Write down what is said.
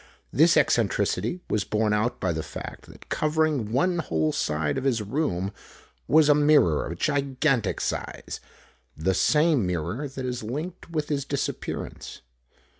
This eccentricity was borne out by the fact that covering one whole side of his room was a mirror of gigantic size the same mirror that is linked with his disappearance.